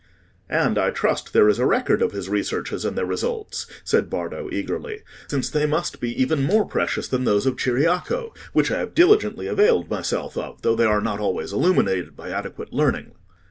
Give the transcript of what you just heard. "And I trust there is a record of his researches and their results," said Bardo, eagerly, "since they must be even more precious than those of Ciriaco, which I have diligently availed myself of, though they are not always illuminated by adequate learning."